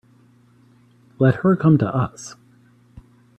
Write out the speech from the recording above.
Let her come to us.